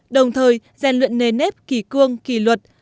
đồng thời gian luyện nề nếp kỳ cương kỳ luận